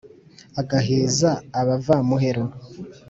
Agaheza abava-muhero